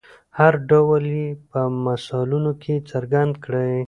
هر ډول یې په مثالونو کې څرګند کړئ.